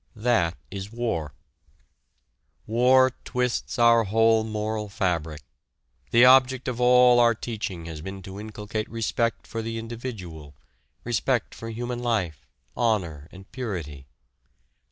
That is war! War twists our whole moral fabric. The object of all our teaching has been to inculcate respect for the individual, respect for human life, honor and purity.